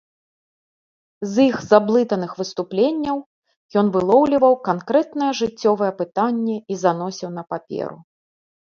З іх заблытаных выступленняў ён вылоўліваў канкрэтнае жыццёвае пытанне і заносіў на паперу.